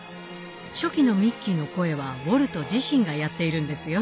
初期のミッキーの声はウォルト自身がやっているんですよ。